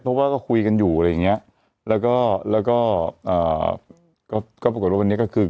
เพราะว่าก็คุยกันอยู่อะไรอย่างเงี้ยแล้วก็แล้วก็อ่าก็ก็ปรากฏว่าวันนี้ก็คือ